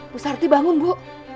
bu sarti bangun bu